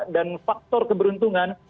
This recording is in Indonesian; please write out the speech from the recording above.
dan faktor keberuntungan